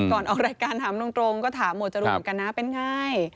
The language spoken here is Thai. ออกรายการถามตรงก็ถามหมวดจรูนเหมือนกันนะเป็นไง